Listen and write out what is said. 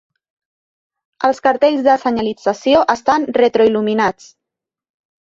Els cartells de senyalització estan retroil·luminats.